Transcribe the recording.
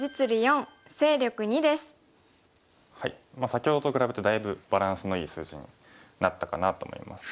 先ほどと比べてだいぶバランスのいい数字になったかなと思います。